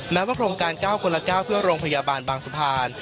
แม้ว่าโครงการ๙คนละ๙เพื่อโรงพยาบาลบางสะพาน